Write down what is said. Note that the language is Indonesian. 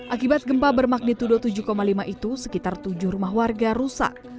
akibat gempa bermagnitudo tujuh lima itu sekitar tujuh rumah warga rusak